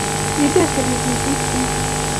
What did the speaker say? Ibi byose bivuze iki?